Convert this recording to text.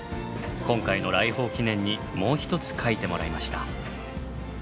今回の来訪記念にもう一つ描いてもらいました。